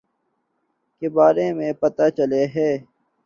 کے بارے میں پتا چلا ہے